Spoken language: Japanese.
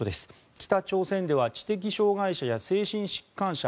北朝鮮では知的障害者や精神疾患者